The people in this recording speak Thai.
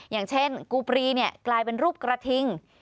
อย่างเช่นกูปรีเนี่ยกลายเป็นรูปกระทิง